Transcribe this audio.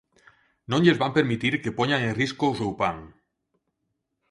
¡Non lles van permitir que poñan en risco o seu pan!